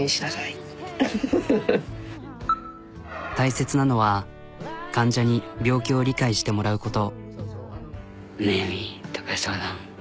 大切なのは患者に病気を理解してもらうこと。